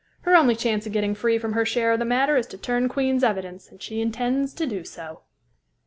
Her only chance of getting free from her share of the matter is to turn Queen's evidence, and she intends to do so."